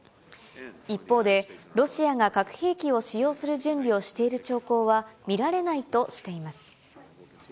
一方で、ロシアが核兵器を使用する準備をしている兆候は見られないとしています。